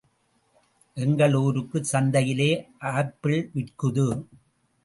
எங்கள் ஊருச் சங்தையிலே ஆப்பிள் விற்குது.